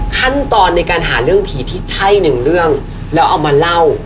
ขั้นตอนในการหาเรื่องผีที่ใช่หนึ่งเรื่องแล้วเอามาเล่า